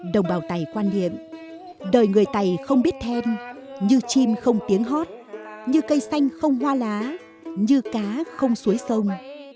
đồng bào tày quan niệm đời người tày không biết then như chim không tiếng hót như cây xanh không hoa lá như cá không suối sông